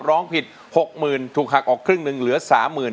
ร้องผิดหกหมื่นถูกหักออกครึ่งหนึ่งเหลือสามหมื่น